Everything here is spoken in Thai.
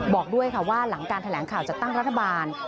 บอกด้วยค่ะว่าหลังการแถลงข่าวจัดตั้งรัฐบาล